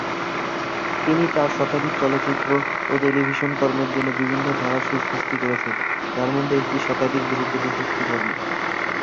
তিনি চার শতাধিক চলচ্চিত্র ও টেলিভিশন কর্মের জন্য বিভিন্ন ধারার সুর সৃষ্টি করেছেন, যার মধ্যে এক শতাধিক ধ্রুপদী সৃষ্টিকর্ম।